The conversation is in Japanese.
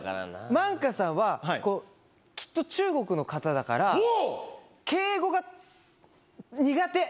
万華さんは、きっと中国の方だから、敬語が苦手。